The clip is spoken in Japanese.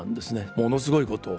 ものすごいことを。